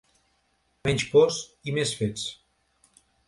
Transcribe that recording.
Menys pors i més fets